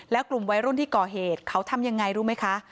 แล้วกลุ่มวัยรุ่นที่ก่อเหตุเขาทำยังไงรู้ไหมคะ